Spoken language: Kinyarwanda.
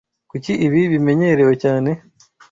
Kuki ibi bimenyerewe cyane?